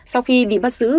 sau khi bị bắt giữ